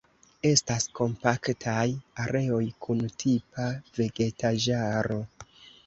Estas kompaktaj areoj kun tipa vegetaĵaro.